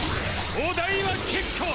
お代は結構！